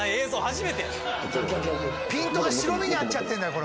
初めてやピントが白身に合っちゃってんだよ